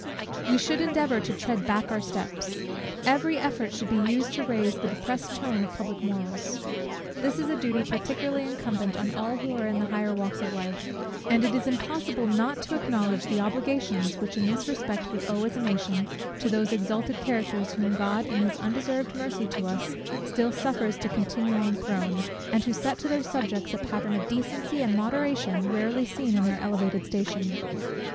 We should endeavour to tread back our steps. Every effort should be used to raise the depressed tone of public morals. This is a duty particularly incumbent on all who are in the higher walks of life; and it is impossible not to acknowledge the obligations, which in this respect we owe as a nation, to those exalted characters, whom God in his undeserved mercy to us, still suffers to continue on the throne, and who set to their subjects a pattern of decency and moderation rarely seen in their elevated station.